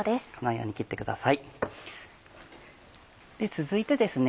続いてですね